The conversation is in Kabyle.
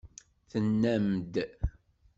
Tennam-d.